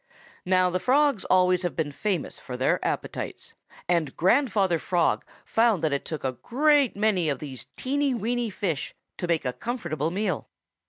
"Now the Frogs always have been famous for their appetites, and Great grandfather Frog found that it took a great many of these teeny weeny fish to make a comfortable meal.